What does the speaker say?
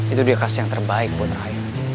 itu dia kasih yang terbaik buat rakyat